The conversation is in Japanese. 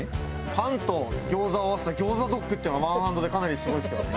パンと餃子を合わせた餃子ドッグっていうのはワンハンドでかなりすごいですけどね。